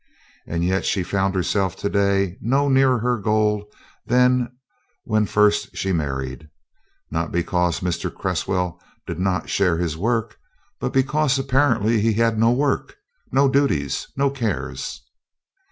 And yet she found herself today no nearer her goal than when first she married. Not because Mr. Cresswell did not share his work, but because, apparently, he had no work, no duties, no cares.